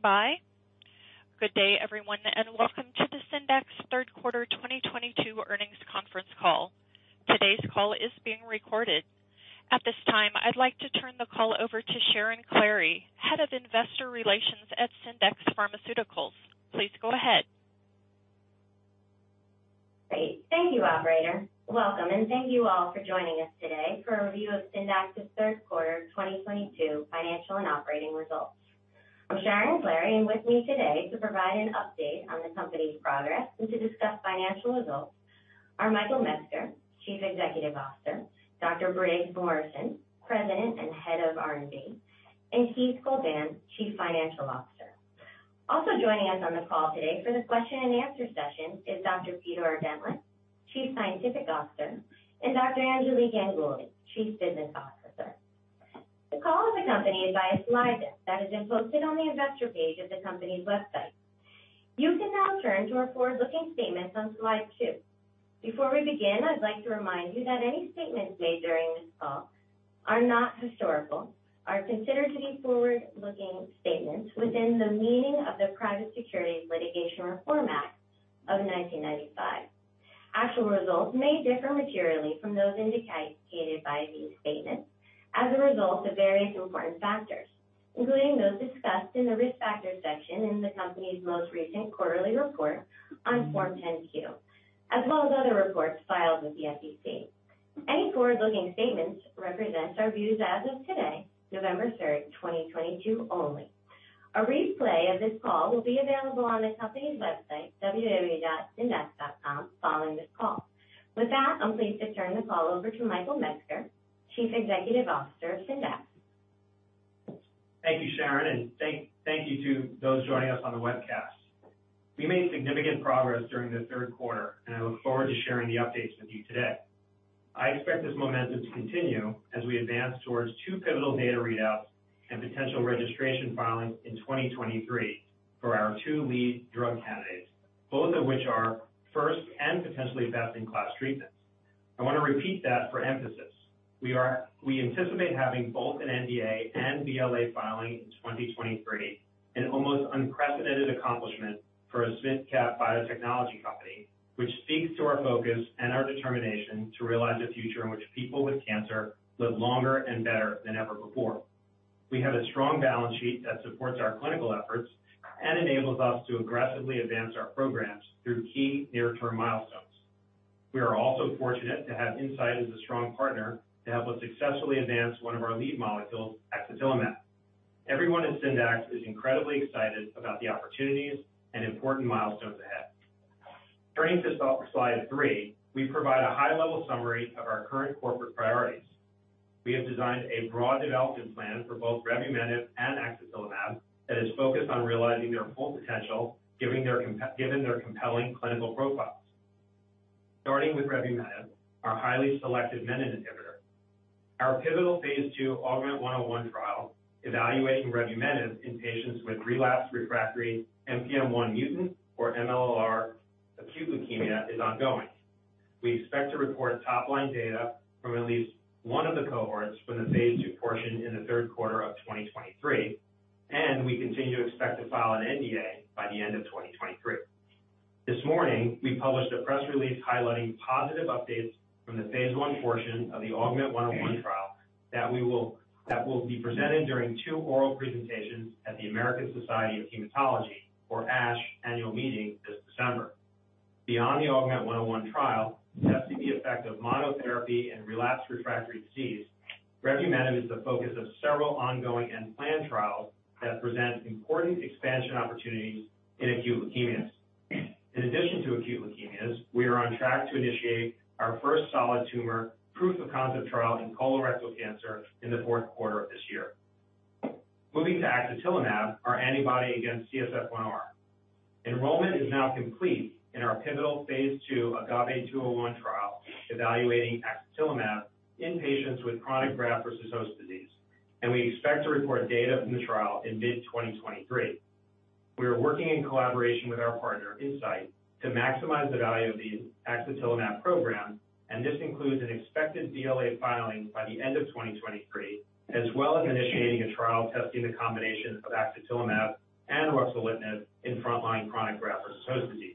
Please stand by. Good day, everyone, and welcome to the Syndax third quarter 2022 earnings conference call. Today's call is being recorded. At this time, I'd like to turn the call over to Sharon Klahre, Head of Investor Relations at Syndax Pharmaceuticals. Please go ahead. Great. Thank you, operator. Welcome, and thank you all for joining us today for a review of Syndax's third quarter 2022 financial and operating results. I'm Sharon Klahre, and with me today to provide an update on the company's progress and to discuss financial results are Michael A. Metzger, Chief Executive Officer, Dr. Briggs Morrison, President and Head of R&D, and Keith Goldan, Chief Financial Officer. Also joining us on the call today for this question and answer session is Dr. Peter Ordentlich, Chief Scientific Officer, and Dr. Anjali Ganguli, Chief Business Officer. The call is accompanied by a slide deck that has been posted on the investor page of the company's website. You can now turn to our forward-looking statements on slide 2. Before we begin, I'd like to remind you that any statements made during this call are not historical, are considered to be forward-looking statements within the meaning of the Private Securities Litigation Reform Act of 1995. Actual results may differ materially from those indicated by these statements as a result of various important factors, including those discussed in the Risk Factors section in the company's most recent quarterly report on Form 10-Q, as well as other reports filed with the SEC. Any forward-looking statements represent our views as of today, November 3, 2022 only. A replay of this call will be available on the company's website, www.syndax.com, following this call. With that, I'm pleased to turn the call over to Michael Metzger, Chief Executive Officer of Syndax. Thank you, Sharon, and thank you to those joining us on the webcast. We made significant progress during the third quarter, and I look forward to sharing the updates with you today. I expect this momentum to continue as we advance towards two pivotal data readouts and potential registration filings in 2023 for our two lead drug candidates, both of which are first and potentially best-in-class treatments. I want to repeat that for emphasis. We anticipate having both an NDA and BLA filing in 2023, an almost unprecedented accomplishment for a small cap biotechnology company, which speaks to our focus and our determination to realize a future in which people with cancer live longer and better than ever before. We have a strong balance sheet that supports our clinical efforts and enables us to aggressively advance our programs through key near-term milestones. We are also fortunate to have Incyte as a strong partner to help us successfully advance one of our lead molecules, axatilimab. Everyone at Syndax is incredibly excited about the opportunities and important milestones ahead. Turning to slide three, we provide a high-level summary of our current corporate priorities. We have designed a broad development plan for both revumenib and axatilimab that is focused on realizing their full potential given their compelling clinical profiles. Starting with revumenib, our highly selective menin inhibitor. Our pivotal Phase 2 Augment-101 trial evaluating revumenib in patients with relapsed refractory NPM1 mutant or MLL-r acute leukemia is ongoing. We expect to report top-line data from at least one of the cohorts from the Phase 2 portion in the third quarter of 2023, and we continue to expect to file an NDA by the end of 2023. This morning, we published a press release highlighting positive updates from the phase 1 portion of the AUGMENT-101 trial that will be presented during two oral presentations at the American Society of Hematology or ASH annual meeting this December. Beyond the AUGMENT-101 trial, testing the effect of monotherapy in relapsed refractory disease, revumenib is the focus of several ongoing and planned trials that present important expansion opportunities in acute leukemias. In addition to acute leukemias, we are on track to initiate our first solid tumor proof of concept trial in colorectal cancer in the fourth quarter of this year. Moving to axatilimab, our antibody against CSF1R. Enrollment is now complete in our pivotal phase 2 AGAVE-201 trial evaluating axatilimab in patients with chronic graft-versus-host disease, and we expect to report data from the trial in mid-2023. We are working in collaboration with our partner, Incyte, to maximize the value of the axatilimab program, and this includes an expected BLA filing by the end of 2023 as well as initiating a trial testing the combination of axatilimab and ruxolitinib in front-line chronic graft-versus-host disease.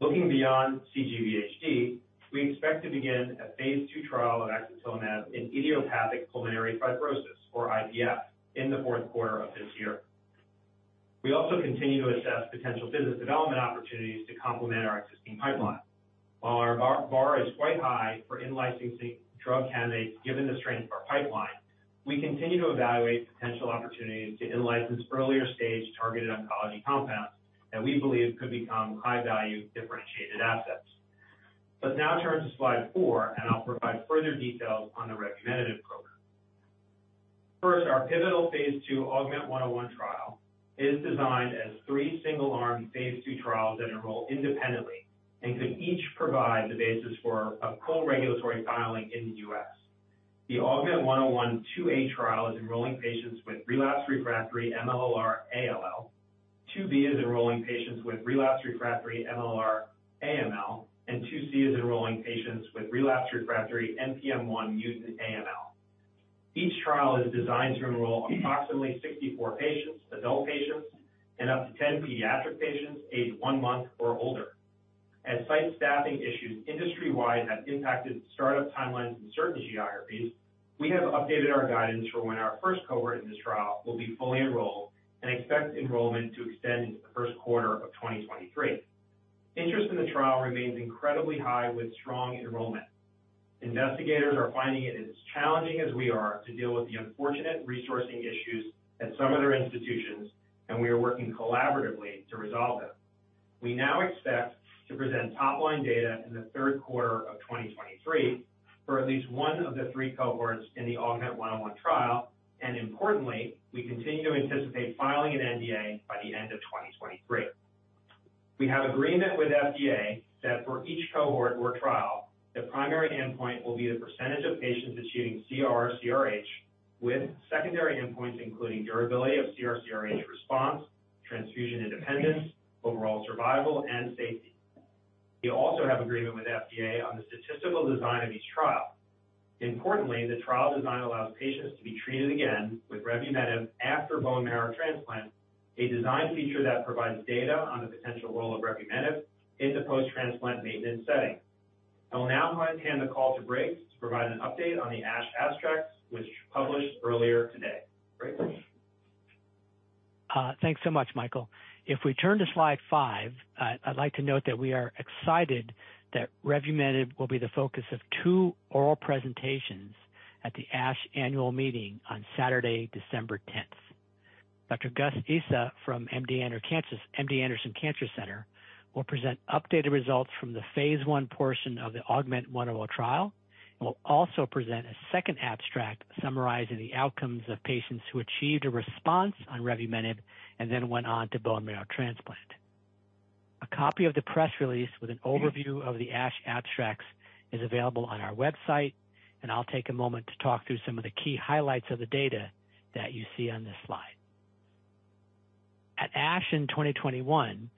Looking beyond cGVHD, we expect to begin a phase 2 trial of axatilimab in idiopathic pulmonary fibrosis or IPF in the fourth quarter of this year. We also continue to assess potential business development opportunities to complement our existing pipeline. While our bar is quite high for in-licensing drug candidates given the strength of our pipeline, we continue to evaluate potential opportunities to in-license earlier-stage targeted oncology compounds that we believe could become high-value differentiated assets. Let's now turn to slide 4, and I'll provide further details on the revumenib program. First, our pivotal phase 2 AUGMENT-101 trial is designed as three single-arm phase 2 trials that enroll independently and could each provide the basis for a co-regulatory filing in the U.S. The AUGMENT-101 2A trial is enrolling patients with relapsed/refractory MLL-r ALL. 2B is enrolling patients with relapsed/refractory MLL-r AML, and 2C is enrolling patients with relapsed/refractory NPM1-mutant AML. Each trial is designed to enroll approximately 64 adult patients, and up to 10 pediatric patients aged 1 month or older. As site staffing issues industry-wide have impacted startup timelines in certain geographies, we have updated our guidance for when our first cohort in this trial will be fully enrolled and expect enrollment to extend into the first quarter of 2023. Interest in the trial remains incredibly high with strong enrollment. Investigators are finding it as challenging as we are to deal with the unfortunate resourcing issues at some of their institutions, and we are working collaboratively to resolve them. We now expect to present top-line data in the third quarter of 2023 for at least one of the three cohorts in the AUGMENT-101 trial, and importantly, we continue to anticipate filing an NDA by the end of 2023. We have agreement with FDA that for each cohort or trial, the primary endpoint will be the percentage of patients achieving CR or CRh, with secondary endpoints including durability of CR/CRh response, transfusion independence, overall survival, and safety. We also have agreement with FDA on the statistical design of each trial. Importantly, the trial design allows patients to be treated again with revumenib after bone marrow transplant, a design feature that provides data on the potential role of revumenib in the post-transplant maintenance setting. I will now hand the call to Briggs to provide an update on the ASH abstracts, which published earlier today. Briggs? Thanks so much, Michael. If we turn to slide five, I'd like to note that we are excited that revumenib will be the focus of two oral presentations at the ASH annual meeting on Saturday, December tenth. Dr. Ghayas Issa from MD Anderson Cancer Center will present updated results from the phase 1 portion of the AUGMENT-101 trial, and will also present a second abstract summarizing the outcomes of patients who achieved a response on revumenib and then went on to bone marrow transplant. A copy of the press release with an overview of the ASH abstracts is available on our website, and I'll take a moment to talk through some of the key highlights of the data that you see on this slide. At ASH in 2021,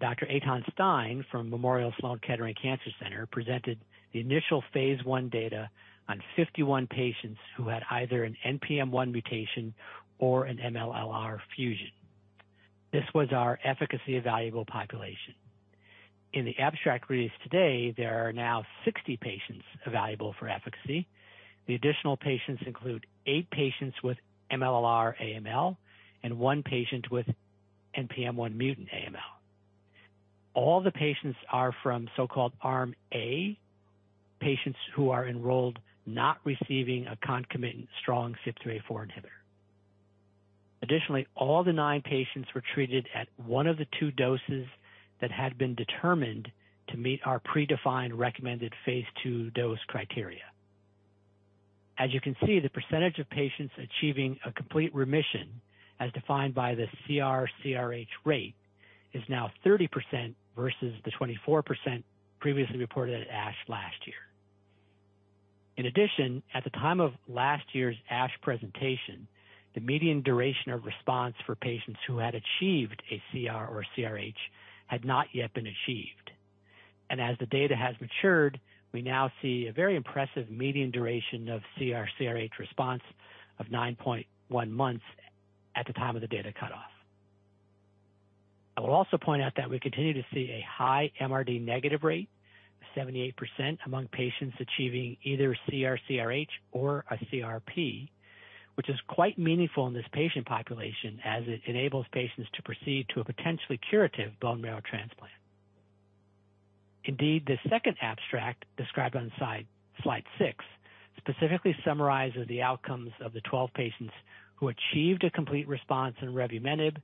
Dr. Eytan M. Stein from Memorial Sloan Kettering Cancer Center presented the initial phase one data on 51 patients who had either an NPM1 mutation or an MLL-r fusion. This was our efficacy evaluable population. In the abstract release today, there are now 60 patients evaluable for efficacy. The additional patients include 8 patients with MLL-r AML and 1 patient with NPM1 mutant AML. All the patients are from so-called arm A, patients who are enrolled not receiving a concomitant strong CYP3A4 inhibitor. Additionally, all the 9 patients were treated at one of the two doses that had been determined to meet our predefined recommended phase two dose criteria. As you can see, the percentage of patients achieving a complete remission, as defined by the CR/CRh rate, is now 30% versus the 24% previously reported at ASH last year. In addition, at the time of last year's ASH presentation, the median duration of response for patients who had achieved a CR or CRh had not yet been achieved. As the data has matured, we now see a very impressive median duration of CR/CRh response of 9.1 months at the time of the data cutoff. I will also point out that we continue to see a high MRD negative rate, 78% among patients achieving either CR/CRh or a CRp, which is quite meaningful in this patient population as it enables patients to proceed to a potentially curative bone marrow transplant. Indeed, the second abstract described on Slide 6 specifically summarizes the outcomes of the 12 patients who achieved a complete response in revumenib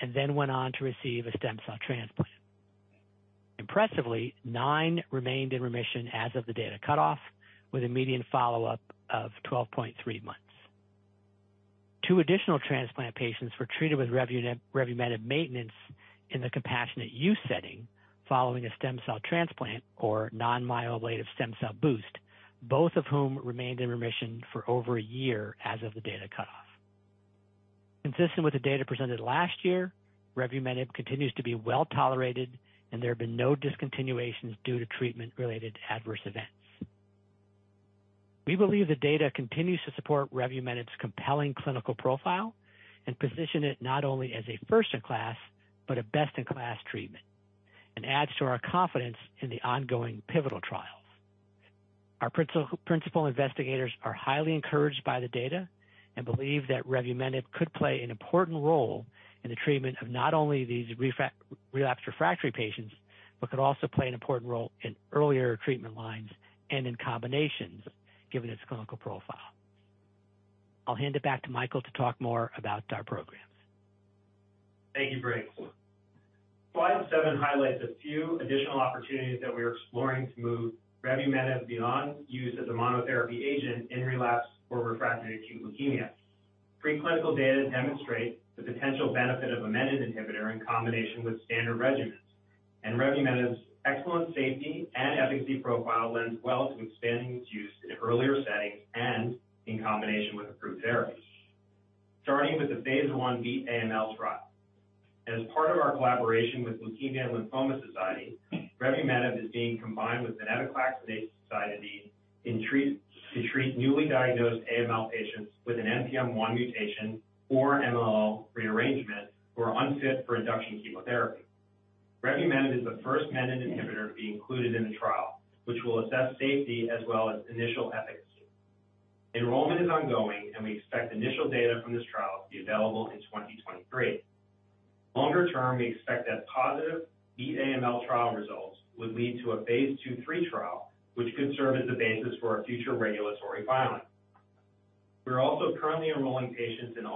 and then went on to receive a stem cell transplant. Impressively, 9 remained in remission as of the data cutoff with a median follow-up of 12.3 months. Two additional transplant patients were treated with revumenib maintenance in the compassionate use setting following a stem cell transplant or non-myeloablative stem cell boost, both of whom remained in remission for over a year as of the data cutoff. Consistent with the data presented last year, revumenib continues to be well-tolerated, and there have been no discontinuations due to treatment-related adverse events. We believe the data continues to support revumenib's compelling clinical profile and position it not only as a first in class, but a best in class treatment and adds to our confidence in the ongoing pivotal trials. Our principal investigators are highly encouraged by the data and believe that revumenib could play an important role in the treatment of not only these relapsed refractory patients, but could also play an important role in earlier treatment lines and in combinations given its clinical profile. I'll hand it back to Michael to talk more about our programs. Thank you, Briggs. Slide 7 highlights a few additional opportunities that we are exploring to move revumenib beyond use as a monotherapy agent in relapsed or refractory acute leukemia. Preclinical data demonstrate the potential benefit of a MEK inhibitor in combination with standard regimens. Revumenib's excellent safety and efficacy profile lends well to expanding its use in earlier settings and in combination with approved therapies. Starting with the phase I Beat AML trial. As part of our collaboration with The Leukemia & Lymphoma Society, revumenib is being combined with venetoclax and cytarabine to treat newly diagnosed AML patients with an NPM1 mutation or MLL rearrangement who are unfit for induction chemotherapy. Revumenib is the first menin inhibitor to be included in the trial, which will assess safety as well as initial efficacy. Enrollment is ongoing, and we expect initial data from this trial to be available in 2023. Longer term, we expect that positive Beat AML trial results would lead to a phase 2/3 trial, which could serve as the basis for our future regulatory filing. We are also currently enrolling patients in the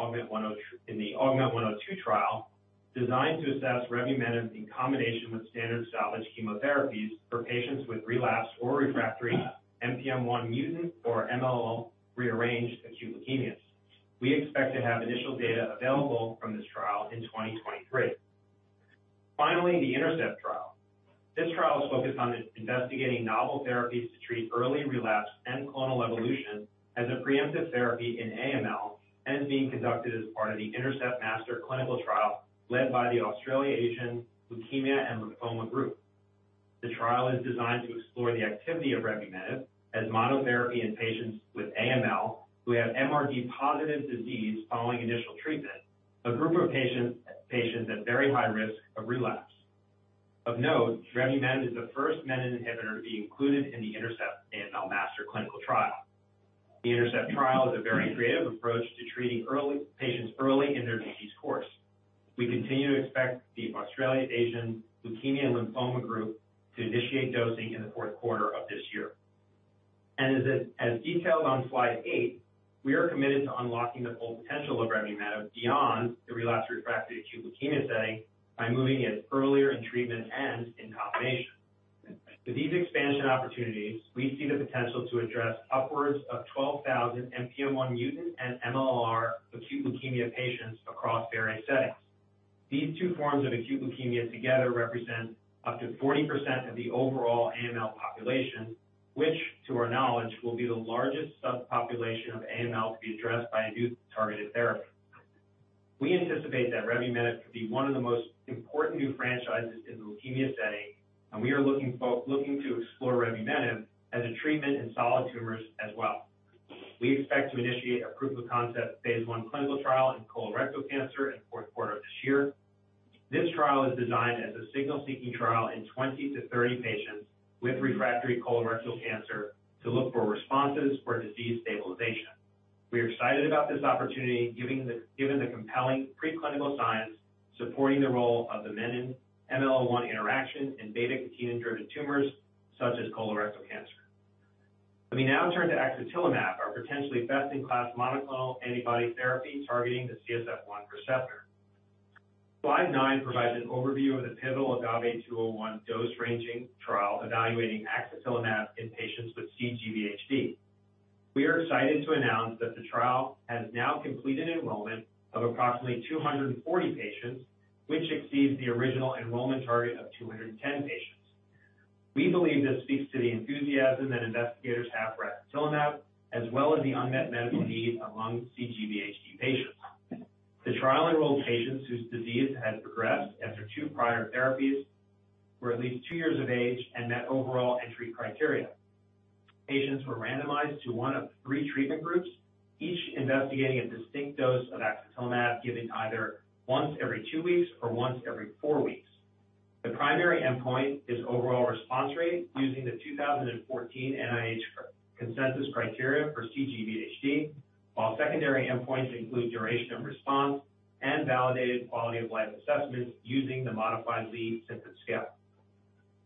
AUGMENT-102 trial designed to assess revumenib in combination with standard established chemotherapies for patients with relapsed or refractory NPM1 mutant or MLL rearranged acute leukemias. We expect to have initial data available from this trial in 2023. Finally, the INTERCEPT trial. This trial is focused on investigating novel therapies to treat early relapse and clonal evolution as a preemptive therapy in AML and is being conducted as part of the INTERCEPT Master clinical trial led by the Australasian Leukaemia & Lymphoma Group. The trial is designed to explore the activity of revumenib as monotherapy in patients with AML who have MRD positive disease following initial treatment, a group of patients at very high risk of relapse. Of note, revumenib is the first menin inhibitor to be included in the Intercept AML Master clinical trial. The Intercept trial is a very creative approach to treating patients early in their disease course. We continue to expect the Australasian Leukaemia & Lymphoma Group to initiate dosing in the fourth quarter of this year. As detailed on slide 8, we are committed to unlocking the full potential of revumenib beyond the relapsed refractory acute leukemia setting by moving it earlier in treatment and in combination. With these expansion opportunities, we see the potential to address upwards of 12,000 NPM1 mutant and MLL-r acute leukemia patients across various settings. These two forms of acute leukemia together represent up to 40% of the overall AML population, which, to our knowledge, will be the largest subpopulation of AML to be addressed by a new targeted therapy. We anticipate that revumenib could be one of the most important new franchises in the leukemia setting, and we are looking to explore revumenib as a treatment in solid tumors as well. We expect to initiate a proof of concept phase I clinical trial in colorectal cancer in the fourth quarter of this year. This trial is designed as a signal-seeking trial in 20-30 patients with refractory colorectal cancer to look for responses or disease stabilization. We are excited about this opportunity, given the compelling preclinical science supporting the role of the menin-MLL1 interaction in beta-catenin-driven tumors such as colorectal cancer. Let me now turn to axatilimab, our potentially best-in-class monoclonal antibody therapy targeting the CSF1R. Slide 9 provides an overview of the pivotal AGAVE-201 dose-ranging trial evaluating axatilimab in patients with cGVHD. We are excited to announce that the trial has now completed enrollment of approximately 240 patients, which exceeds the original enrollment target of 210 patients. We believe this speaks to the enthusiasm that investigators have for axatilimab, as well as the unmet medical need among cGVHD patients. The trial enrolled patients whose disease had progressed after two prior therapies, were at least two years of age and met overall entry criteria. Patients were randomized to one of three treatment groups, each investigating a distinct dose of axatilimab given either once every two weeks or once every four weeks. The primary endpoint is overall response rate using the 2014 NIH consensus criteria for cGVHD, while secondary endpoints include duration of response and validated quality of life assessments using the modified Lee Symptom Scale.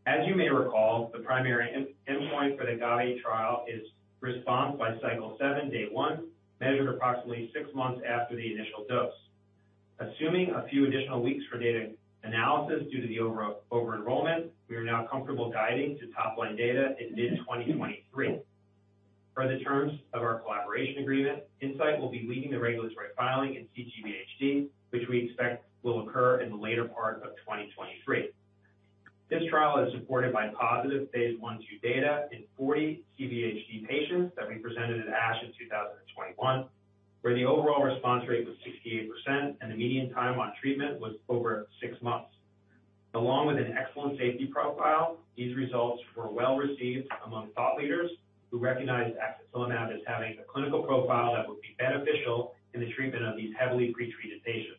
As you may recall, the primary endpoint for the AGAVE trial is response by cycle 7, day 1, measured approximately six months after the initial dose. Assuming a few additional weeks for data analysis due to the over-enrollment, we are now comfortable guiding to top-line data in mid-2023. Per the terms of our collaboration agreement, Incyte will be leading the regulatory filing in cGVHD, which we expect will occur in the later part of 2023. This trial is supported by positive Phase 1/2 data in 40 cGVHD patients that we presented at ASH in 2021, where the overall response rate was 68% and the median time on treatment was over 6 months. Along with an excellent safety profile, these results were well received among thought leaders who recognized axatilimab as having the clinical profile that would be beneficial in the treatment of these heavily pretreated patients.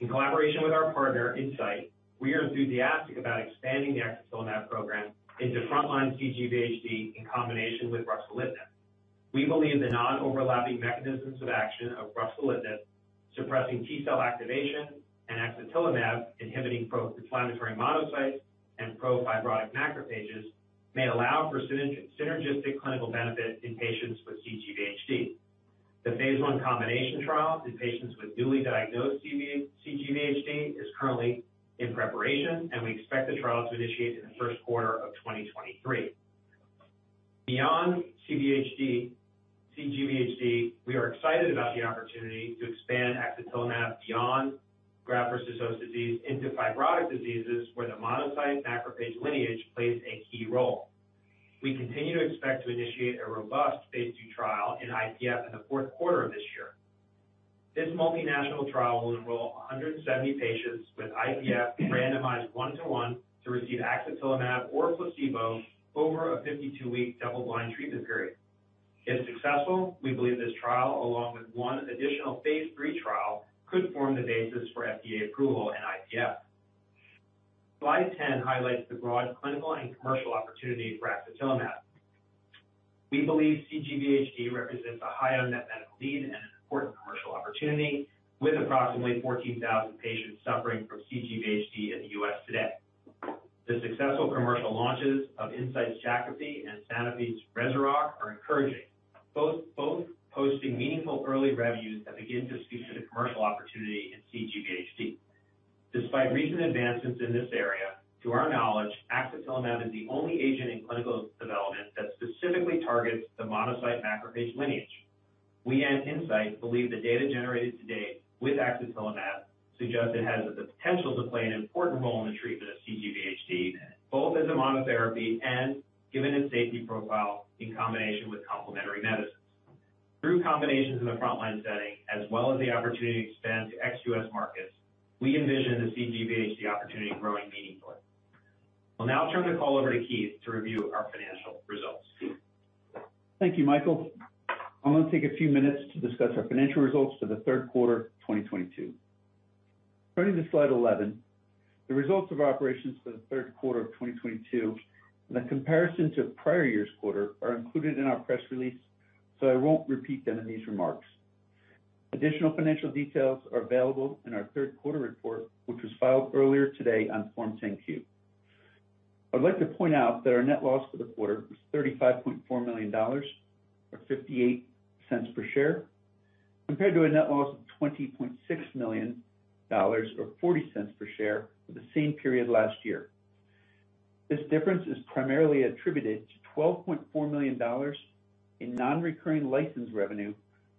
In collaboration with our partner, Incyte, we are enthusiastic about expanding the axatilimab program into frontline cGVHD in combination with ruxolitinib. We believe the non-overlapping mechanisms of action of ruxolitinib, suppressing T cell activation, and axatilimab, inhibiting pro-inflammatory monocytes and pro-fibrotic macrophages, may allow for synergistic clinical benefit in patients with cGVHD. The phase I combination trial in patients with newly diagnosed cGVHD is currently in preparation, and we expect the trial to initiate in the first quarter of 2023. Beyond cGVHD, we are excited about the opportunity to expand axatilimab beyond graft-versus-host disease into fibrotic diseases where the monocyte macrophage lineage plays a key role. We continue to expect to initiate a robust phase 2 trial in IPF in the fourth quarter of this year. This multinational trial will enroll 170 patients with IPF randomized 1:1 to receive axatilimab or placebo over a 52-week double-blind treatment period. If successful, we believe this trial, along with one additional phase 3 trial, could form the basis for FDA approval in IPF. Slide 10 highlights the broad clinical and commercial opportunity for axatilimab. We believe cGVHD represents a high unmet medical need and an important commercial opportunity, with approximately 14,000 patients suffering from cGVHD in the U.S. today. The successful commercial launches of Incyte's Jakafi and Sanofi's REZUROCK are encouraging, both posting meaningful early revenues that begin to speak to the commercial opportunity in cGVHD. Despite recent advancements in this area, compared to a net loss of $20.6 million or $0.40 per share for the same period last year. This difference is primarily attributed to $12.4 million in non-recurring license revenue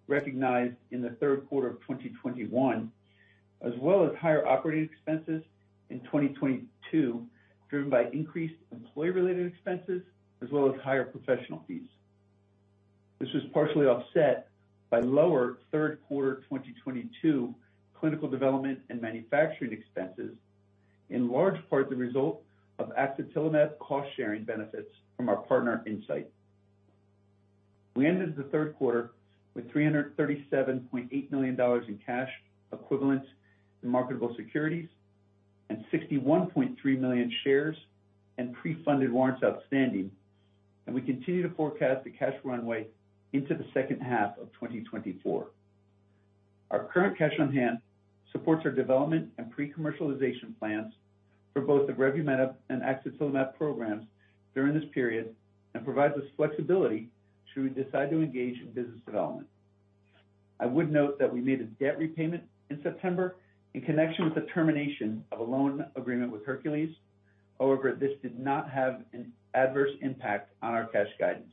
recognized in the third quarter of 2021, as well as higher operating expenses in 2022, driven by increased employee-related expenses as well as higher professional fees. This was partially offset by lower third quarter 2022 clinical development and manufacturing expenses, in large part the result of axatilimab cost-sharing benefits from our partner, Incyte. We ended the third quarter with $337.8 million in cash equivalents in marketable securities and 61.3 million shares and pre-funded warrants outstanding. We continue to forecast the cash runway into the second half of 2024. Our current cash on hand supports our development and pre-commercialization plans for both the revumenib and axatilimab programs during this period and provides us flexibility should we decide to engage in business development. I would note that we made a debt repayment in September in connection with the termination of a loan agreement with Hercules. However, this did not have an adverse impact on our cash guidance.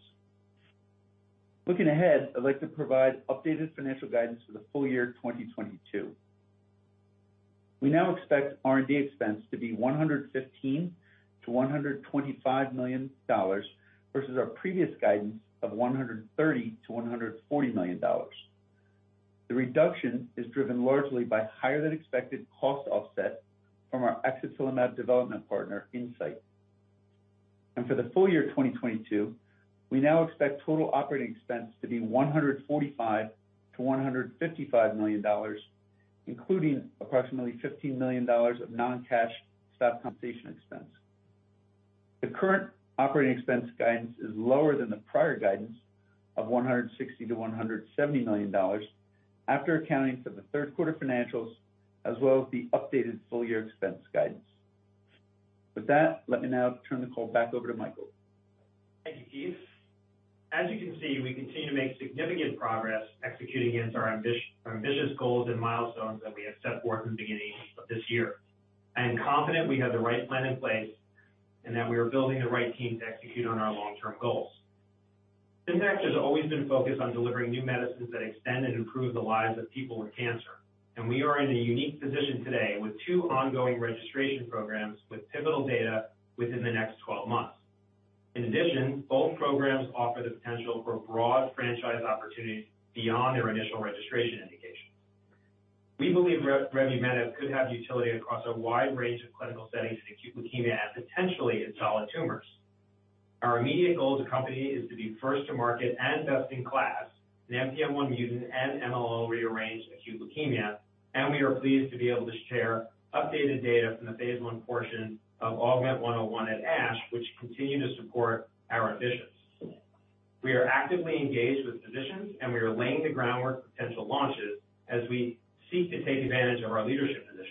Looking ahead, I'd like to provide updated financial guidance for the full year 2022. We now expect R&D expense to be $115 million-$125 million versus our previous guidance of $130 million-$140 million. The reduction is driven largely by higher than expected cost offset from our axatilimab development partner, Incyte. For the full year 2022, we now expect total operating expense to be $145 million-$155 million, including approximately $15 million of non-cash stock compensation expense. The current operating expense guidance is lower than the prior guidance of $160 million-$170 million after accounting for the third quarter financials as well as the updated full year expense guidance. With that, let me now turn the call back over to Michael. Thank you, Keith. As you can see, we continue to make significant progress executing against our ambitious goals and milestones that we have set forth in the beginning of this year. I am confident we have the right plan in place and that we are building the right team to execute on our long-term goals. Syndax has always been focused on delivering new medicines that extend and improve the lives of people with cancer, and we are in a unique position today with two ongoing registration programs with pivotal data within the next 12 months. In addition, both programs offer the potential for broad franchise opportunities beyond their initial registration indications. We believe revumenib could have utility across a wide range of clinical settings in acute leukemia and potentially in solid tumors. Our immediate goal as a company is to be first to market and best in class in NPM1 mutant and MLL-rearranged acute leukemia, and we are pleased to be able to share updated data from the phase 1 portion of AUGMENT-101 at ASH, which continue to support our ambitions. We are actively engaged with physicians, and we are laying the groundwork for potential launches as we seek to take advantage of our leadership position.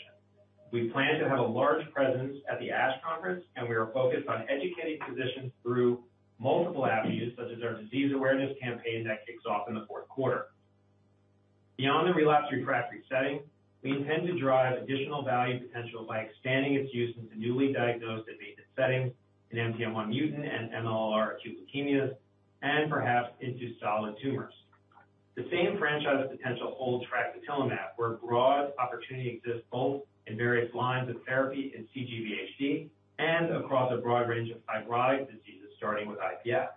We plan to have a large presence at the ASH conference, and we are focused on educating physicians through multiple avenues, such as our disease awareness campaign that kicks off in the fourth quarter. Beyond the relapsed refractory setting, we intend to drive additional value potential by expanding its use into newly diagnosed and maintenance settings in NPM1 mutant and MLL-r acute leukemias and perhaps into solid tumors. The same franchise potential holds axatilimab, where broad opportunity exists both in various lines of therapy in cGVHD and across a broad range of fibrotic diseases, starting with IPF.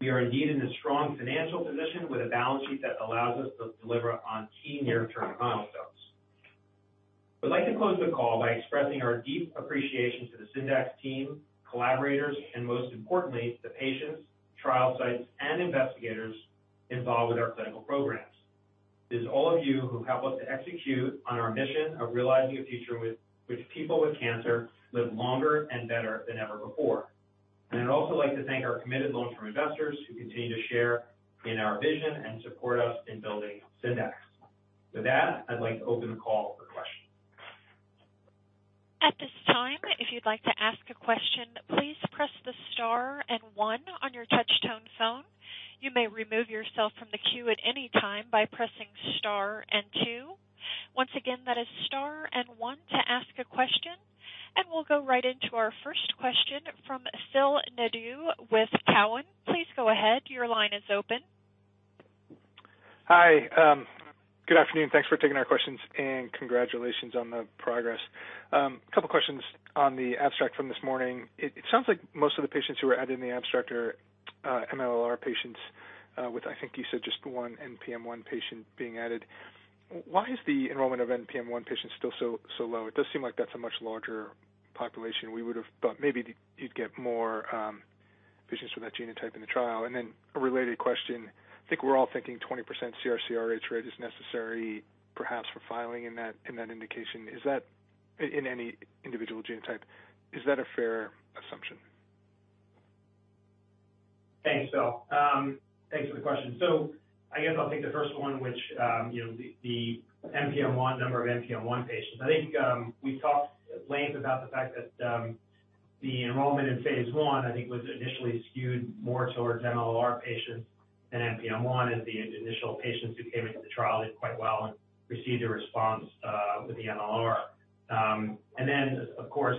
We are indeed in a strong financial position with a balance sheet that allows us to deliver on key near-term milestones. I'd like to close the call by expressing our deep appreciation to the Syndax team, collaborators, and most importantly, the patients, trial sites, and investigators involved with our clinical programs. It is all of you who help us to execute on our mission of realizing a future with which people with cancer live longer and better than ever before. I'd also like to thank our committed long-term investors who continue to share in our vision and support us in building Syndax. With that, I'd like to open the call for questions. At this time, if you'd like to ask a question, please press the star and one on your touch-tone phone. You may remove yourself from the queue at any time by pressing star and two. Once again, that is star and one to ask a question. We'll go right into our first question from Phil Nadeau with TD Cowen. Please go ahead. Your line is open. Hi. Good afternoon. Thanks for taking our questions, and congratulations on the progress. A couple questions on the abstract from this morning. It sounds like most of the patients who are added in the abstract are MLL-r patients with, I think you said, just one NPM1 patient being added. Why is the enrollment of NPM1 patients still so low? It does seem like that's a much larger population. We would have thought maybe you'd get more patients from that genotype in the trial. Then a related question. I think we're all thinking 20% CR/CRh rate is necessary, perhaps for filing in that indication. In any individual genotype, is that a fair assumption? Thanks, Phil. Thanks for the question. I guess I'll take the first one, which, you know, the NPM1 number of NPM1 patients. I think we talked at length about the fact that the enrollment in phase 1, I think, was initially skewed more towards MLL-r patients than NPM1 as the initial patients who came into the trial did quite well and received a response with the MLL-r. Of course,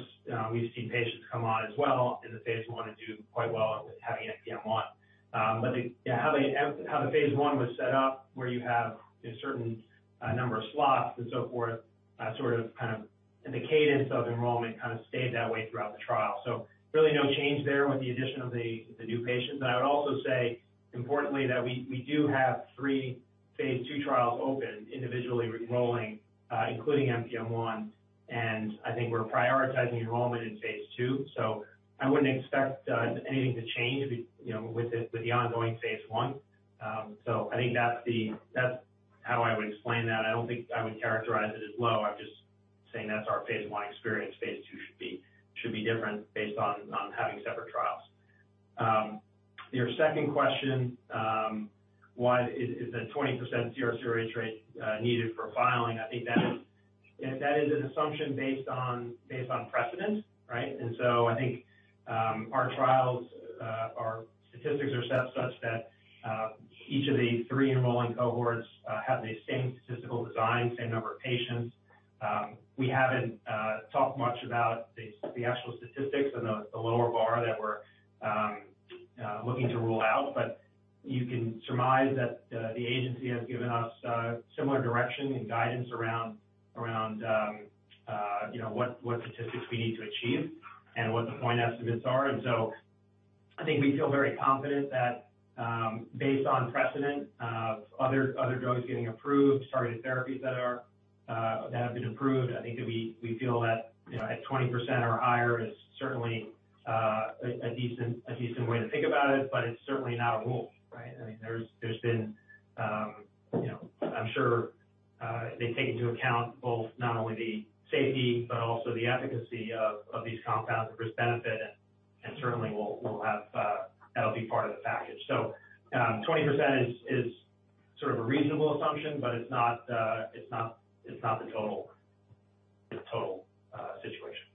we've seen patients come on as well in the phase 1 and do quite well with having NPM1. Yeah, how the phase 1 was set up, where you have a certain number of slots and so forth, sort of, kind of, and the cadence of enrollment kind of stayed that way throughout the trial. Really no change there with the addition of the new patients. But I would also say importantly, that we do have three phase 2 trials open, individually enrolling, including NPM1, and I think we're prioritizing enrollment in phase 2. I wouldn't expect anything to change, you know, with the ongoing phase 1. I think that's how I would explain that. I don't think I would characterize it as low. I'm just saying that's our phase 1 experience. Phase 2 should be different based on having separate trials. Your second question, what is the 20% CR/CRh rate needed for filing? I think that is an assumption based on precedent, right? I think our trials our statistics are set such that each of the three enrolling cohorts have the same statistical design, same number of patients. We haven't talked much about the actual statistics and the lower bar that we're looking to rule out. You can surmise that the agency has given us similar direction and guidance around you know what statistics we need to achieve and what the point estimates are. I think we feel very confident that, based on precedent of other drugs getting approved, targeted therapies that have been approved, I think that we feel that, you know, at 20% or higher is certainly a decent way to think about it, but it's certainly not a rule, right? I mean, there's been, you know, I'm sure they take into account both not only the safety but also the efficacy of these compounds, the risk-benefit, and certainly we'll have, that'll be part of the package. 20% is sort of a reasonable assumption, but it's not the total situation.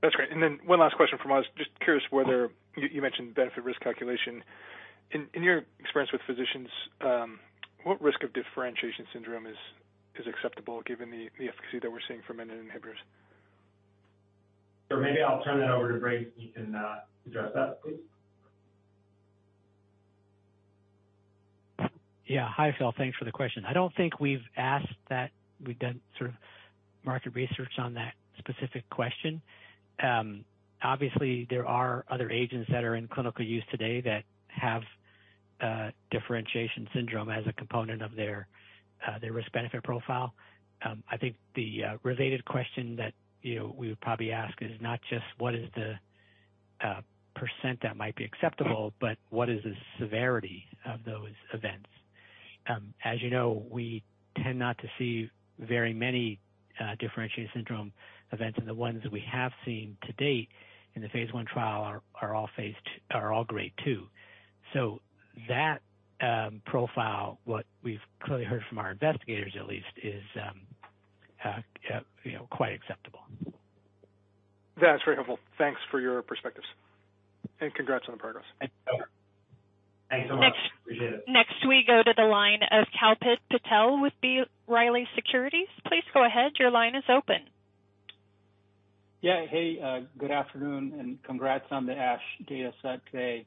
That's great. Then one last question from us. Just curious whether you mentioned benefit risk calculation. In your experience with physicians, what risk of differentiation syndrome is acceptable given the efficacy that we're seeing from menin inhibitor? Maybe I'll turn that over to Briggs Morrison. He can address that, please. Yeah. Hi, Phil. Thanks for the question. I don't think we've asked that. We've done sort of market research on that specific question. Obviously, there are other agents that are in clinical use today that have differentiation syndrome as a component of their risk-benefit profile. I think the related question that, you know, we would probably ask is not just what is the percent that might be acceptable, but what is the severity of those events? As you know, we tend not to see very many differentiation syndrome events. The ones we have seen to date in the phase 1 trial are all grade 2. That profile, what we've clearly heard from our investigators at least, is, you know, quite acceptable. That's very helpful. Thanks for your perspectives and congrats on the progress. Thanks so much. Appreciate it. Next we go to the line of Kalpit Patel with B. Riley Securities. Please go ahead. Your line is open. Yeah. Hey, good afternoon and congrats on the ASH data set today.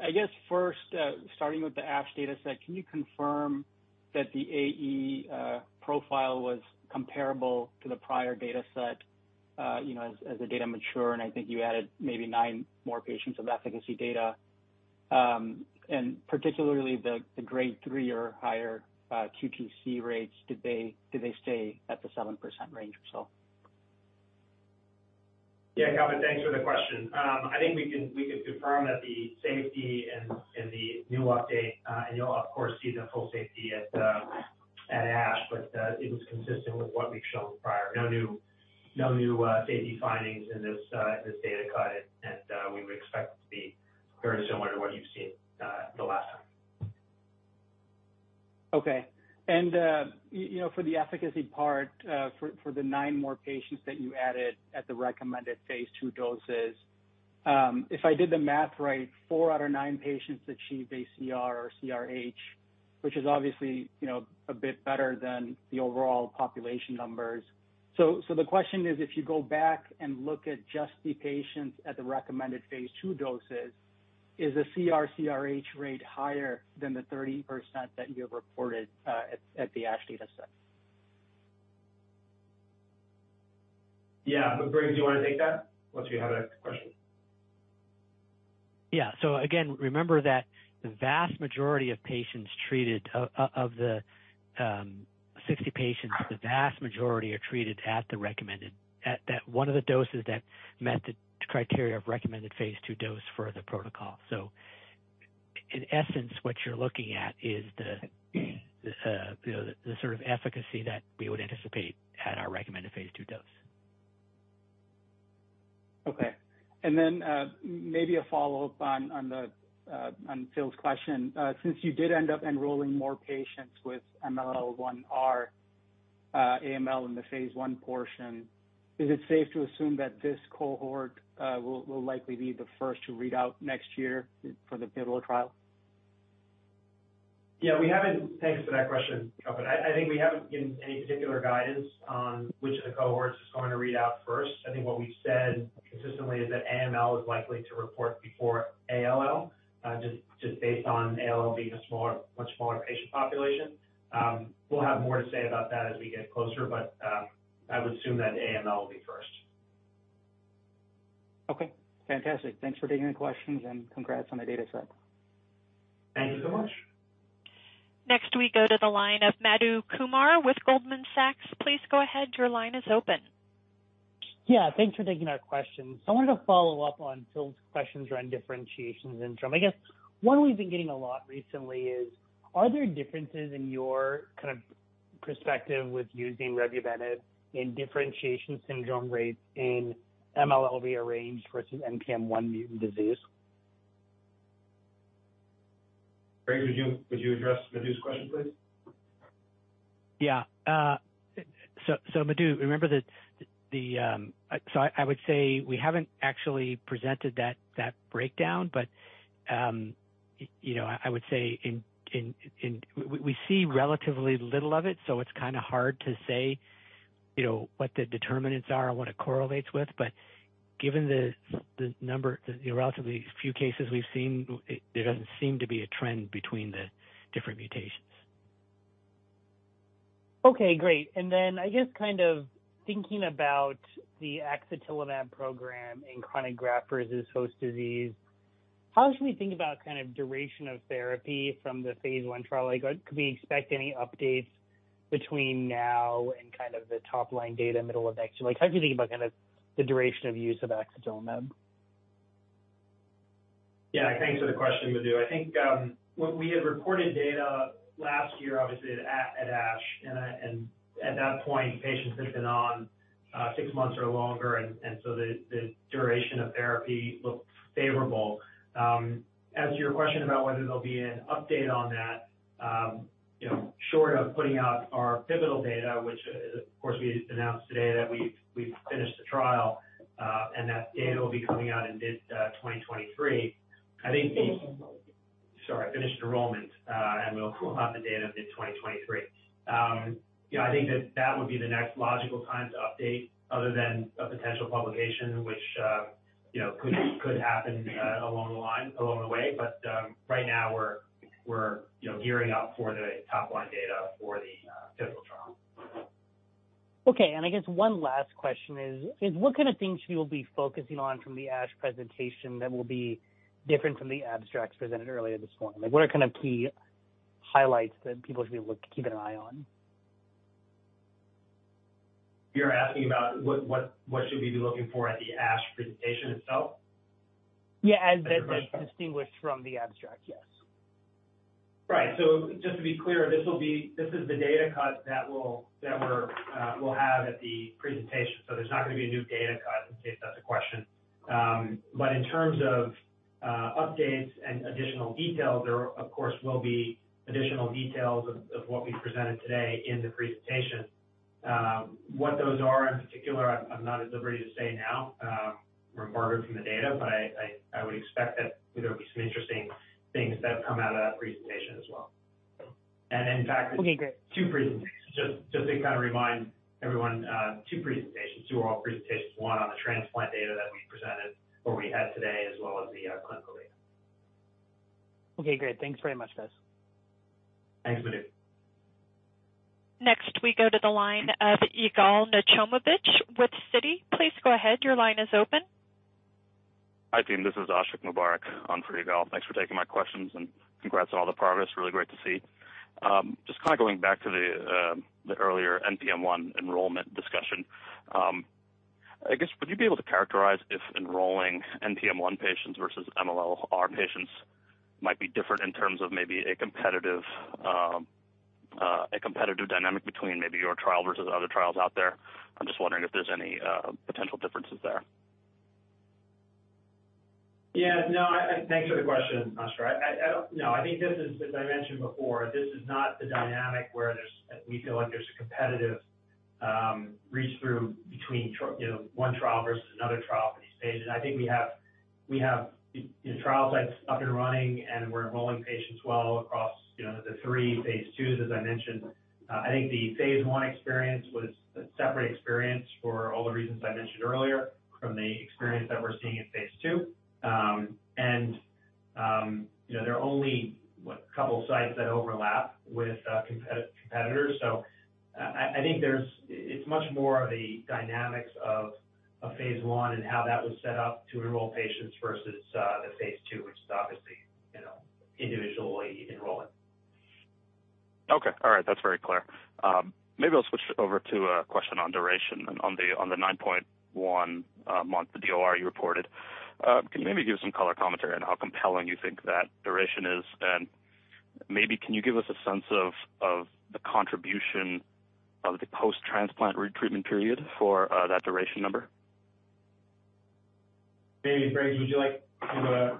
I guess first, starting with the ASH data set, can you confirm that the AE profile was comparable to the prior data set, you know, as the data mature? I think you added maybe 9 more patients of efficacy data, and particularly the grade three or higher, QTc rates, did they stay at the 7% range or so? Yeah, Kalpit, thanks for the question. I think we can confirm that the safety and the new update, and you'll of course see the full safety at ASH, but it was consistent with what we've shown prior. No new safety findings in this data cut. We would expect it to be very similar to what you've seen the last time. Okay. You know, for the efficacy part, for the 9 more patients that you added at the recommended phase 2 doses, if I did the math right, 4 out of 9 patients achieved CR or CRh, which is obviously, you know, a bit better than the overall population numbers. The question is, if you go back and look at just the patients at the recommended phase 2 doses, is the CR/CRh rate higher than the 30% that you have reported at the ASH data set? Yeah. Briggs, do you wanna take that? Unless you have a next question. Yeah. Again, remember that the vast majority of patients treated out of the 60 patients, the vast majority are treated at that one of the doses that met the criteria of recommended phase 2 dose for the protocol. In essence, what you're looking at is the, you know, the sort of efficacy that we would anticipate at our recommended phase 2 dose. Maybe a follow-up on Phil's question. Since you did end up enrolling more patients with MLL-r AML in the phase 1 portion, is it safe to assume that this cohort will likely be the first to read out next year for the pivotal trial? Yeah. Thanks for that question, Kalpit. I think we haven't given any particular guidance on which of the cohorts is going to read out first. I think what we've said consistently is that AML is likely to report before ALL, just based on ALL being a smaller, much smaller patient population. We'll have more to say about that as we get closer, but I would assume that AML will be first. Okay, fantastic. Thanks for taking the questions and congrats on the data set. Thank you so much. Next we go to the line of Madhu Kumar with Goldman Sachs. Please go ahead, your line is open. Yeah, thanks for taking our questions. I wanted to follow up on Phil's questions around differentiation syndrome. I guess one we've been getting a lot recently is, are there differences in your kind of perspective with using revumenib in differentiation syndrome rates in MLL rearranged versus NPM1 mutant disease? Briggs Morrison, would you address Madhu Kumar's question please? Madhu, I would say we haven't actually presented that breakdown. You know, I would say we see relatively little of it, so it's kinda hard to say, you know, what the determinants are or what it correlates with. Given the number, the relatively few cases we've seen, it doesn't seem to be a trend between the different mutations. Okay, great. I guess kind of thinking about the axatilimab program in chronic graft-versus-host disease, how should we think about kind of duration of therapy from the phase 1 trial? Like, could we expect any updates between now and kind of the top-line data middle of next year? Like, how do you think about kind of the duration of use of axatilimab? Yeah. Thanks for the question, Madhu. I think what we had reported data last year, obviously at ASH, and at that point patients had been on six months or longer, and so the duration of therapy looked favorable. As to your question about whether there'll be an update on that, you know, short of putting out our pivotal data, which, of course, we announced today that we've finished the trial, and that data will be coming out in mid-2023. I think the Finished enrollment. Sorry, finished enrollment. We'll have the data mid-2023. You know, I think that would be the next logical time to update other than a potential publication which, you know, could happen along the line, along the way. Right now we're gearing up for the top-line data for the pivotal trial. Okay. I guess one last question is what kind of things should we be focusing on from the ASH presentation that will be different from the abstracts presented earlier this morning? Like, what are kind of key highlights that people should be keeping an eye on? You're asking about what should we be looking for at the ASH presentation itself? Yeah. As distinguished from the abstract, yes. Right. Just to be clear, this is the data cut that we'll have at the presentation, so there's not gonna be a new data cut. If that's a question. In terms of updates and additional details, there of course will be additional details of what we presented today in the presentation. What those are in particular, I'm not at liberty to say now, regarding from the data, but I would expect that there'll be some interesting things that come out of that presentation as well. In fact Okay, great. Two presentations. Just to kinda remind everyone, two presentations. Two oral presentations, one on the transplant data that we presented or we have today, as well as the clinical data. Okay, great. Thanks very much, guys. Thanks, Madhu. Next, we go to the line of Yigal Nochomovitz with Citi. Please go ahead. Your line is open. Hi, team. This is Ashiq Mubarack on for Yigal Nochomovitz. Thanks for taking my questions, and congrats on all the progress. Really great to see. Just kinda going back to the earlier NPM1 enrollment discussion. I guess would you be able to characterize if enrolling NPM1 patients versus MLL-r patients might be different in terms of maybe a competitive dynamic between maybe your trial versus other trials out there? I'm just wondering if there's any potential differences there. Thanks for the question, Ashiq. I think this is, as I mentioned before, this is not the dynamic where we feel like there's a competitive read-through between you know, one trial versus another trial for these phases. I think we have the trial site up and running, and we're enrolling patients well across you know, the three phase 2s, as I mentioned. I think the phase 1 experience was a separate experience for all the reasons I mentioned earlier from the experience that we're seeing in phase 2. You know, there are only a couple sites that overlap with competitors. I think there's much more of the dynamics of phase one and how that was set up to enroll patients versus the phase two, which is obviously, you know, individually enrolling. Okay, all right. That's very clear. Maybe I'll switch over to a question on duration and on the 9.1-month DOR you reported. Can you maybe give some color commentary on how compelling you think that duration is? Maybe you can give us a sense of the contribution of the post-transplant retreatment period for that duration number? Maybe, Briggs, would you like to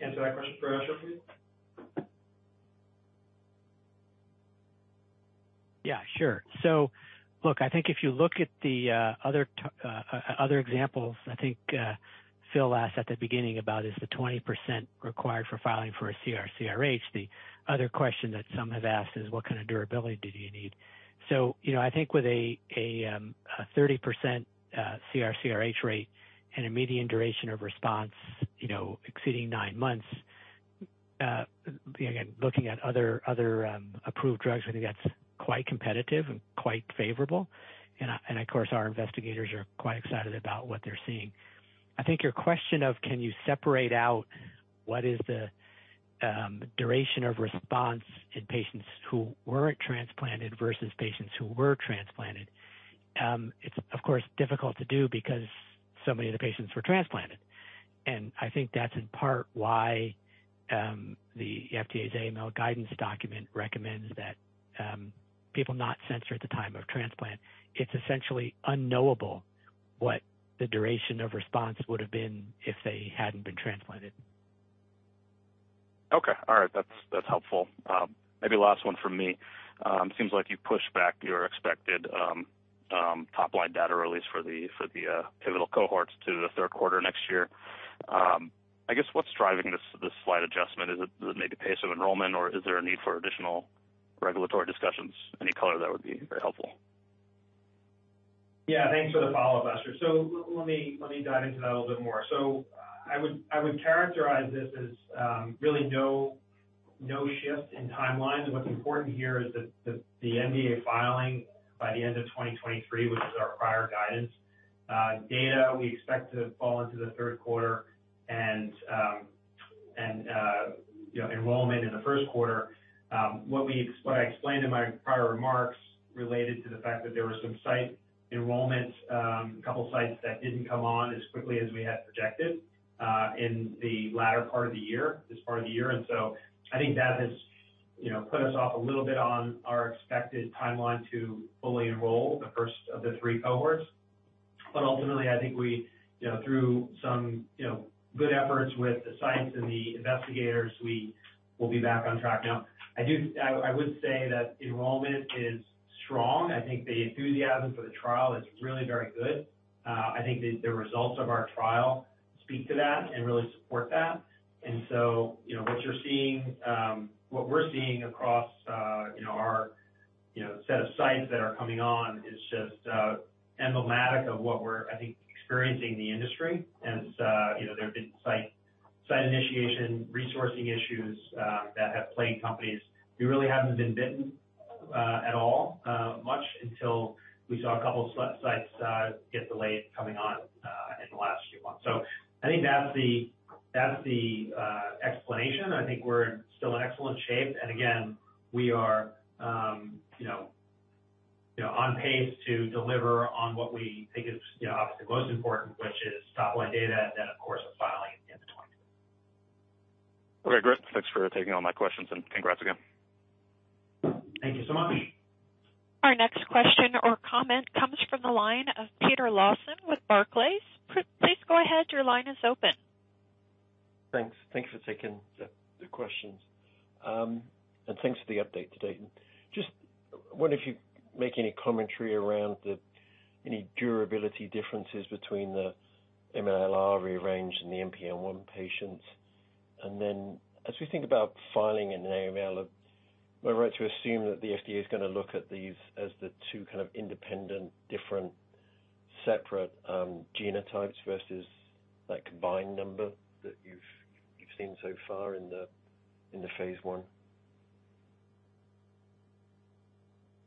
answer that question for Ashiq please? Yeah, sure. Look, I think if you look at the other examples, I think Phil asked at the beginning about is the 20% required for filing for a CR/CRh. The other question that some have asked is what kind of durability do you need? You know, I think with a 30% CR/CRh rate and a median duration of response, you know, exceeding 9 months, again, looking at other approved drugs, I think that's quite competitive and quite favorable. Of course, our investigators are quite excited about what they're seeing. I think your question of can you separate out what is the duration of response in patients who weren't transplanted versus patients who were transplanted, it's of course difficult to do because so many of the patients were transplanted. I think that's in part why the FDA's AML guidance document recommends that people not censor at the time of transplant. It's essentially unknowable what the duration of response would have been if they hadn't been transplanted. Okay, all right. That's helpful. Maybe last one from me. Seems like you pushed back your expected top line data release for the pivotal cohorts to the third quarter next year. I guess what's driving this slight adjustment? Is it maybe pace of enrollment or is there a need for additional regulatory discussions? Any color there would be very helpful. Yeah, thanks for the follow-up, Ashiq. Let me dive into that a little bit more. I would characterize this as really no shift in timelines. What's important here is that the NDA filing by the end of 2023, which is our prior guidance, data we expect to fall into the third quarter and you know, enrollment in the first quarter. What I explained in my prior remarks related to the fact that there were some site enrollments, a couple sites that didn't come on as quickly as we had projected in the latter part of the year, this part of the year. I think that has you know, put us off a little bit on our expected timeline to fully enroll the first of the three cohorts. Ultimately, I think we, you know, through some good efforts with the sites and the investigators, we will be back on track. Now, I would say that enrollment is strong. I think the enthusiasm for the trial is really very good. I think the results of our trial speak to that and really support that. You know, what you're seeing, what we're seeing across our set of sites that are coming on is just emblematic of what we're, I think, experiencing in the industry. You know, there have been site initiation, resourcing issues that have plagued companies. We really haven't been bitten at all much until we saw a couple sites get delayed coming on in the last few months. I think that's the explanation. I think we're still in excellent shape. Again, we are you know on pace to deliver on what we think is you know obviously the most important, which is top-line data and then of course. Okay, great. Thanks for taking all my questions and congrats again. Thank you so much. Our next question or comment comes from the line of Peter Lawson with Barclays. Please go ahead. Your line is open. Thanks. Thank you for taking the questions. Thanks for the update today. Just wonder if you'd make any commentary around any durability differences between the MLL-r rearranged and the NPM1 patients. As we think about filing an AML, am I right to assume that the FDA is gonna look at these as the two kind of independent, different, separate, genotypes versus that combined number that you've seen so far in the phase 1?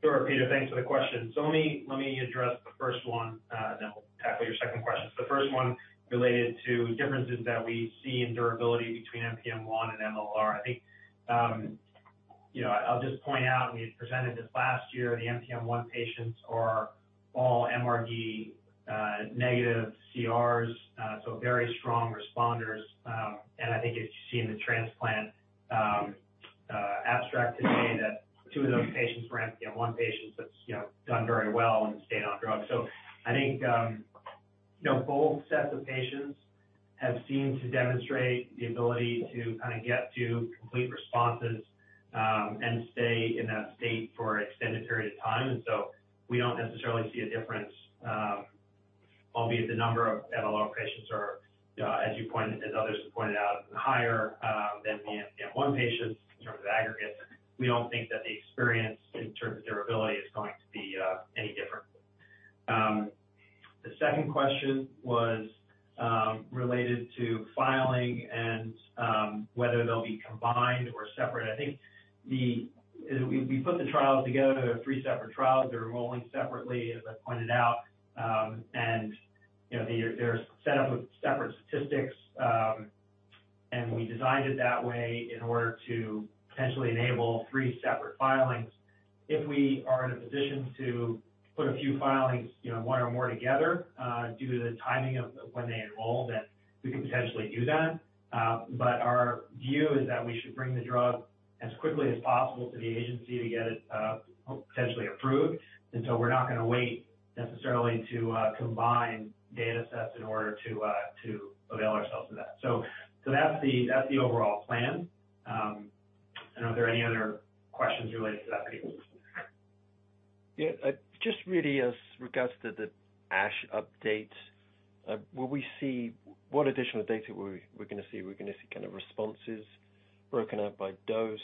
Sure, Peter, thanks for the question. Let me address the first one, and then we'll tackle your second question. The first one related to differences that we see in durability between NPM1 and MLL-r. I think, you know, I'll just point out, and we presented this last year, the NPM1 patients are all MRD negative CRs, so very strong responders. I think if you see in the transplant abstract today that 2 of those patients were NPM1 patients that's, you know, done very well and stayed on drugs. I think, you know, both sets of patients have seemed to demonstrate the ability to kinda get to complete responses, and stay in that state for an extended period of time. We don't necessarily see a difference, albeit the number of MLL patients are, as you pointed, as others have pointed out, higher, than the NPM1 patients in terms of aggregates. We don't think that the experience in terms of durability is going to be any different. The second question was related to filing and whether they'll be combined or separate. I think we put the trials together. They're three separate trials. They're enrolling separately, as I pointed out. And, you know, they're set up with separate statistics. And we designed it that way in order to potentially enable three separate filings. If we are in a position to put a few filings, you know, one or more together, due to the timing of when they enrolled, then we could potentially do that. Our view is that we should bring the drug as quickly as possible to the agency to get it potentially approved. We're not gonna wait necessarily to combine datasets in order to avail ourselves of that. That's the overall plan. Are there any other questions related to that, Peter? Yeah. Just really as regards to the ASH update, will we see what additional data we're gonna see? We're gonna see kind of responses broken out by dose,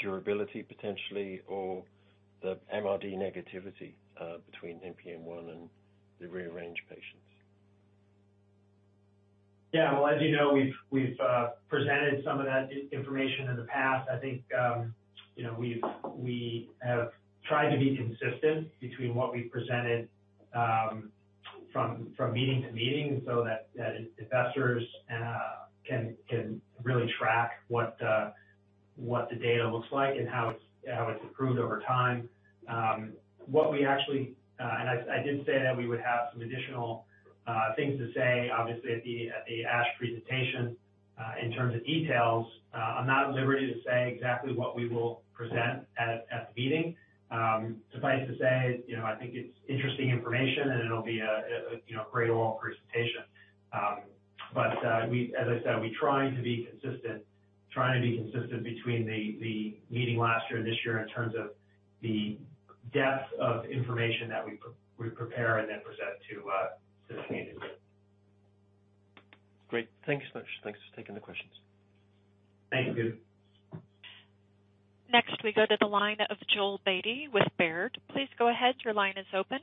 durability potentially, or the MRD negativity between NPM1 and the rearranged patients? Well, as you know, we've presented some of that information in the past. I think, you know, we have tried to be consistent between what we presented from meeting to meeting so that investors can really track what the data looks like and how it's improved over time. What we actually and I did say that we would have some additional things to say, obviously at the ASH presentation in terms of details. I'm not at liberty to say exactly what we will present at the meeting. Suffice to say, you know, I think it's interesting information, and it'll be a great oral presentation. As I said, we're trying to be consistent between the meeting last year and this year in terms of the depth of information that we prepare and then present to the community. Great. Thank you so much. Thanks for taking the questions. Thank you. Next, we go to the line of Joel Beatty with Baird. Please go ahead. Your line is open.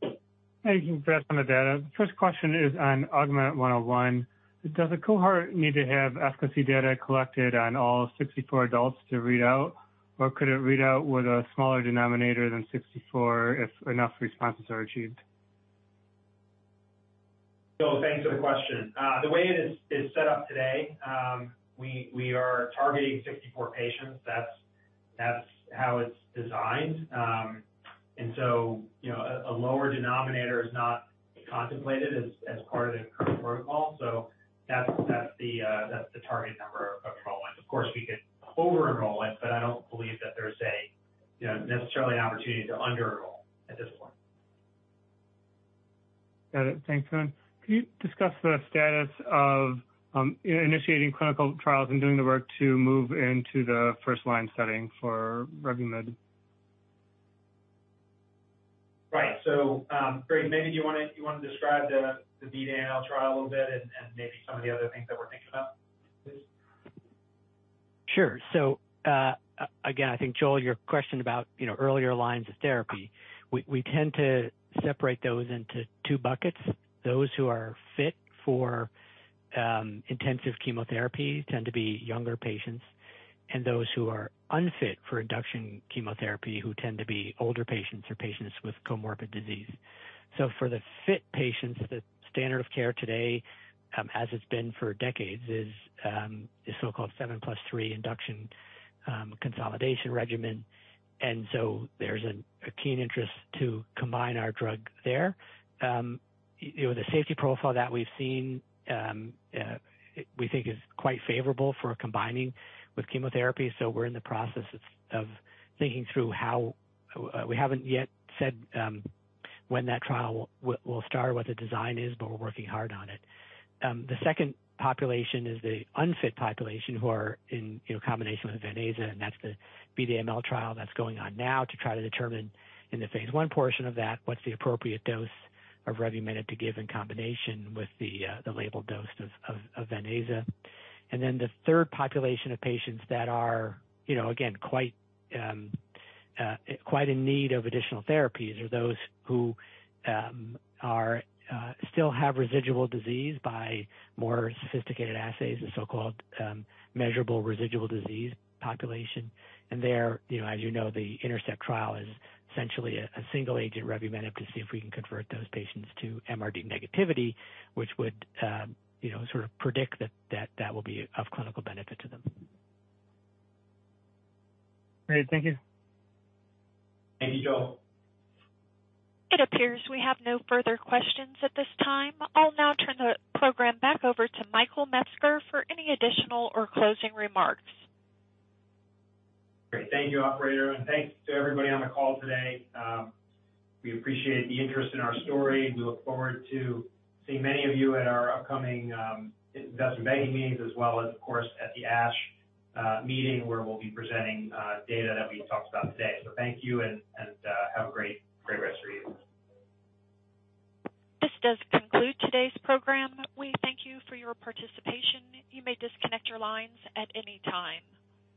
Hey, you can press on the data. First question is on AUGMENT-101. Does a cohort need to have efficacy data collected on all 64 adults to read out, or could it read out with a smaller denominator than 64 if enough responses are achieved? Joel, thanks for the question. The way it is set up today, we are targeting 64 patients. That's how it's designed. You know, a lower denominator is not contemplated as part of the current protocol. That's the target number of enrollments. Of course, we could over-enroll it, but I don't believe that there's a you know necessarily an opportunity to under-enroll at this point. Got it. Thanks, man. Can you discuss the status of initiating clinical trials and doing the work to move into the first line setting for revumenib? Right. Great. Maybe do you wanna describe the Beat AML trial a little bit and maybe some of the other things that we're thinking about, please? Sure. Again, I think, Joel, your question about, you know, earlier lines of therapy, we tend to separate those into two buckets. Those who are fit for intensive chemotherapy tend to be younger patients, and those who are unfit for induction chemotherapy, who tend to be older patients or patients with comorbid disease. For the fit patients, the standard of care today, as it's been for decades, is the so-called 7+3 induction consolidation regimen. There's a keen interest to combine our drug there. You know, the safety profile that we've seen, we think is quite favorable for combining with chemotherapy. We're in the process of thinking through how we haven't yet said when that trial will start, what the design is, but we're working hard on it. The second population is the unfit population who are in, you know, combination with venetoclax, and that's the Beat AML trial that's going on now to try to determine in the phase one portion of that, what's the appropriate dose of revumenib to give in combination with the labeled dose of venetoclax. Then the third population of patients that are, you know, again, quite in need of additional therapies are those who still have residual disease by more sophisticated assays and so-called measurable residual disease population. There, you know, as you know, the INTERCEPT trial is essentially a single agent revumenib to see if we can convert those patients to MRD negativity, which would, you know, sort of predict that will be of clinical benefit to them. Great. Thank you. Thank you, Joel. It appears we have no further questions at this time. I'll now turn the program back over to Michael Metzger for any additional or closing remarks. Great. Thank you, operator, and thanks to everybody on the call today. We appreciate the interest in our story. We look forward to seeing many of you at our upcoming investment banking meetings, as well as of course, at the ASH meeting, where we'll be presenting data that we talked about today. Thank you, and have a great rest of your evening. This does conclude today's program. We thank you for your participation. You may disconnect your lines at any time.